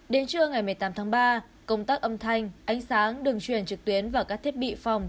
đến trưa ngày một mươi tám tháng ba công tác âm thanh ánh sáng đường truyền trực tuyến và các thiết bị phòng